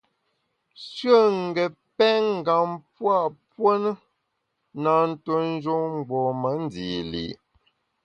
Shùe n’ gét pèn ngam pua puo ne, na ntuo njun mgbom-a ndi li’.